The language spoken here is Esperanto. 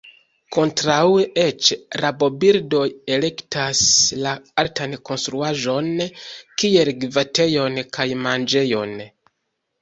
Kontraŭe eĉ, rabobirdoj elektas la altan konstruaĵon kiel gvatejon kaj manĝejon.